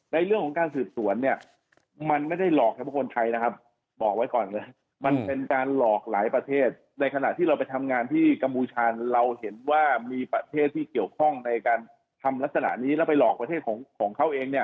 ในเรื่องของการสืบสวนเนี่ยมันไม่ได้หลอกให้คนไทยนะครับบอกไว้ก่อนเลยมันเป็นการหลอกหลายประเทศในขณะที่เราไปทำงานที่กัมพูชาเราเห็นว่ามีประเทศที่เกี่ยวข้องในการทำลักษณะนี้แล้วไปหลอกประเทศของเขาเองเนี่ย